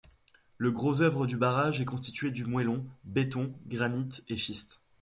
Le gros œuvre du barrage est constitué de moellon, béton, granite et schiste.